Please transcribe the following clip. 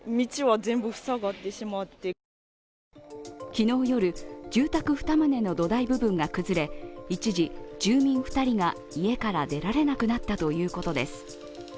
昨日夜、住宅２棟の土台部分が崩れ、一時、住民２人が家から出られなくなったということです。